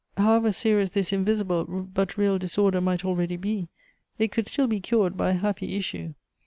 However serious this invisible but real disorder might already be, it could still be cured by a happy issue.